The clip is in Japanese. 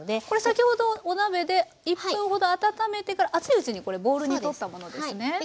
これ先ほどお鍋で１分ほど温めてから熱いうちにボウルにとったものですね。